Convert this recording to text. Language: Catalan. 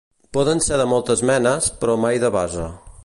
Poden ser de moltes menes, però mai de base.